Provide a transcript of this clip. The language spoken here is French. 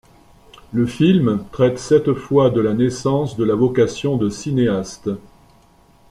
Le film traite cette fois de la naissance de la vocation de cinéaste.